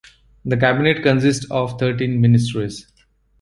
The Cabinet consists of thirteen ministries.